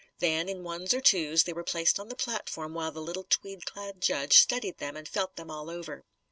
Then, in ones or twos, they were placed on the platform while the little tweed clad judge studied them and felt them all over.